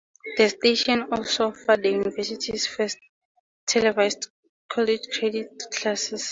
The station also offered the university's first televised college credit classes.